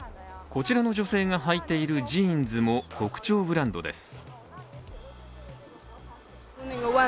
こちらの女性が履いているジーンズも国潮ブランドです。